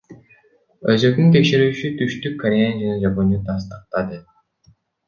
Өзөктүк текшерүүнү Түштүк Корея жана Жапония тастыктады.